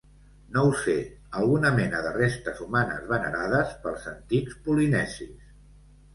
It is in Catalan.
No ho sé, alguna mena de restes humanes venerades pels antics polinesis.